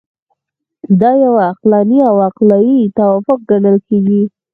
دا یو عقلاني او عقلایي توافق ګڼل کیږي.